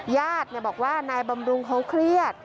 ญาติบอกว่านายบำรุงเขาเครียด